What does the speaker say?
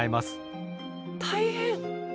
大変。